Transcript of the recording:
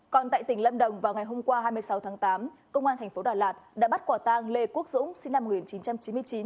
còn tại tỉnh lâm đồng vào ngày hôm qua hai mươi sáu tháng tám công an thành phố đà lạt đã bắt quả tang lê quốc dũng sinh năm một nghìn chín trăm chín mươi chín